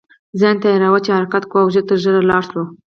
ځان تیاروه چې حرکت کوو او ژر تر ژره لاړ شو.